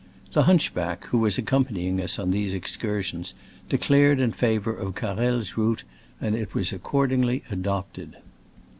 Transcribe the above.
The hunch back, who was accompanying us on these excursions, declared in favor of Carrel's route, and it was accordingly adopted.